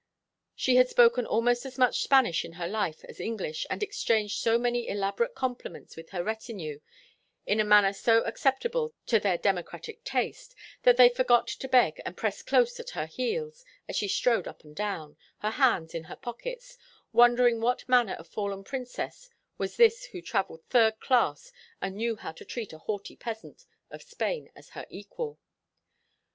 She had spoken almost as much Spanish in her life as English, and exchanged so many elaborate compliments with her retinue, in a manner so acceptable to their democratic taste, that they forgot to beg and pressed close at her heels as she strode up and down, her hands in her pockets, wondering what manner of fallen princess was this who travelled third class and knew how to treat a haughty peasant of Spain as her equal.